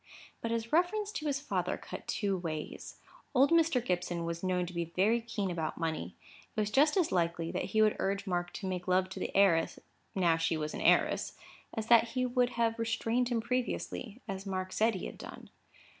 But his reference to his father cut two ways. Old Mr. Gibson was known to be very keen about money. It was just as likely that he would urge Mark to make love to the heiress, now she was an heiress, as that he would have restrained him previously, as Mark said he had done.